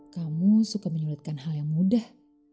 kamu suka menyulitkan hal yang mudah